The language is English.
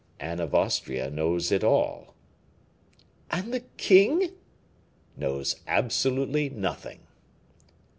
"Anne of Austria knows it all." "And the king?" "Knows absolutely nothing."